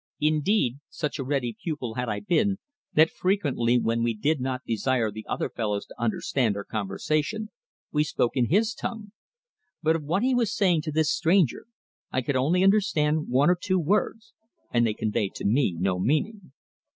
Indeed, such a ready pupil had I been that frequently when we did not desire the other fellows to understand our conversation we spoke in his tongue. But of what he was saying to this stranger, I could only understand one or two words and they conveyed to me no meaning.